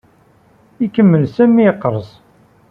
Ikemmel Sami iqerres.